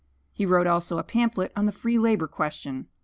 He wrote also a pamphlet on the free labor question.